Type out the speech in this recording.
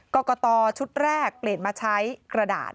กรกตชุดแรกเปลี่ยนมาใช้กระดาษ